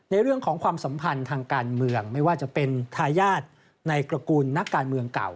เรื่องของความสัมพันธ์ทางการเมืองไม่ว่าจะเป็นทายาทในตระกูลนักการเมืองเก่า